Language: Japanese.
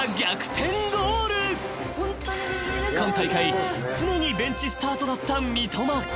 ［今大会常にベンチスタートだった三笘］